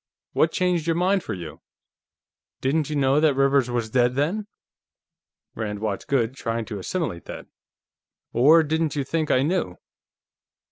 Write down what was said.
What changed your mind for you? Didn't you know that Rivers was dead, then?" Rand watched Goode trying to assimilate that. "Or didn't you think I knew?"